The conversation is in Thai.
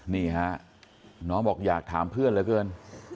นี่ฮะน้องบอกอยากถามเพื่อนเหลือเกิน